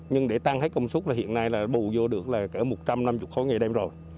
nhưng để tăng hết công suất hiện nay là bù vô được là kể một trăm năm mươi khối ngày đêm